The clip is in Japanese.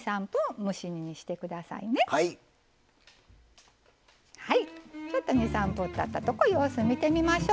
はいちょっと２３分たったとこ様子見てみましょう。